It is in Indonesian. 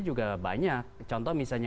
juga banyak contoh misalnya